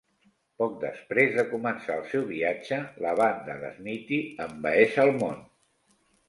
Poc després de començar el seu viatge, la banda de Smithy envaeix el món.